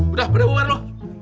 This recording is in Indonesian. udah berubah lu